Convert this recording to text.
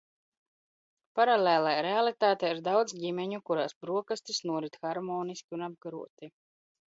Paralēlajā realitātē ir daudz ģimeņu, kurās brokastis norit harmoniski un apgaroti!